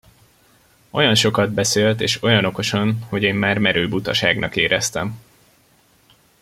Olyan sokat beszélt és olyan okosan, hogy én már merő butaságnak éreztem.